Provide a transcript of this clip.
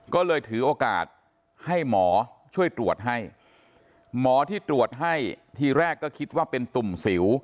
ก็เลยถือโอกาสให้หมอช่วยตรวจให้หมอที่ตรวจให้ทีแรกก็คิดว่าเป็นตุ่มสิว